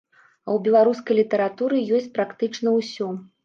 А ў беларускай літаратуры ёсць практычна ўсё.